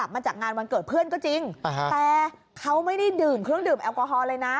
เป็นงานวันเกิดแต่กินข้าวกันปกติ